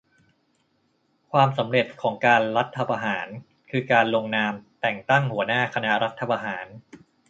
"ความสำเร็จของการรัฐประหาร คือการลงนามแต่งตั้งหัวหน้าคณะรัฐประหาร"